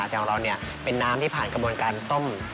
แต่ของเราเป็นน้ำที่ผ่านกระบวนการต้ม